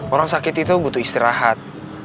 orang sakit itu butuh istirahat